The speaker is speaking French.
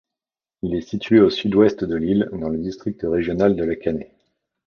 Il est situé au sud-ouest de l'île, dans le district régional de La Canée.